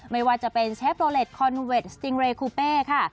ไม่ว่าจะเป็นเชฟโลเล็ตคอนเวทสติงเรคูเป้ค่ะ